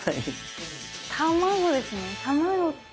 卵ですね卵。